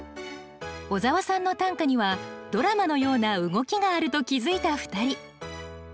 小沢さんの短歌にはドラマのような動きがあると気付いた２人。